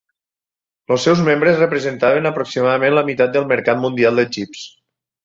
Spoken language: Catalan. Els seus membres representaven aproximadament la meitat del mercat mundial de xips.